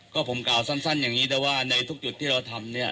ก็ผมกล่าวสั้นอย่างนี้แต่ว่าในทุกจุดที่เราทำเนี่ย